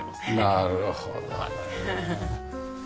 なるほどね。